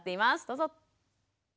どうぞ。